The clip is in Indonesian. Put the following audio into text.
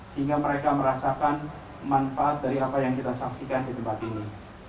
sehingga mereka merasakan manfaat dari apa yang kita saksikan di tempat ini